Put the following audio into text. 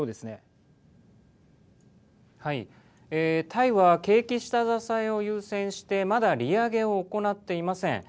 タイは景気下支えを優先してまだ利上げを行っていません。